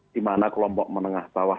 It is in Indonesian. dimana kelompok menengah bawah